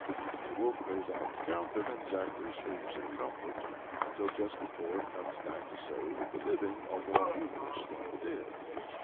The wolf goes out to count them, and Zachary sleeps in comfort, till just before it comes back to say that the living are more numerous than the dead.